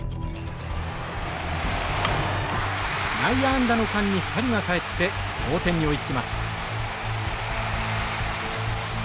内野安打の間に２人が帰って同点に追いつきます。